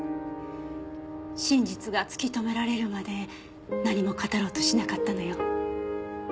真実が突き止められるまで何も語ろうとしなかったのよ。